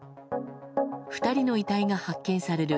２人の遺体が発見される